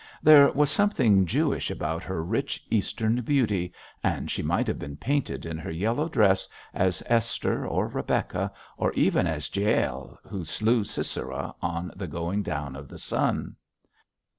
There was something Jewish about her rich, eastern beauty, and she might have been painted in her yellow dress as Esther or Rebecca, or even as Jael who slew Sisera on the going down of the sun.